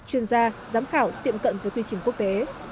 chuyên gia giám khảo tiệm cận với quy trình quốc tế